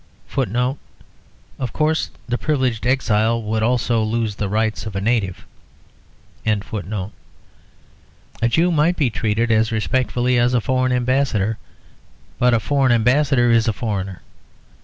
[Footnote: Of course the privileged exile would also lose the rights of a native.] A Jew might be treated as respectfully as a foreign ambassador, but a foreign ambassador is a foreigner.